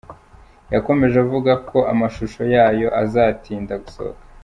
Yakomeje avuga ko amashusho yayo atazatinda gusohoka.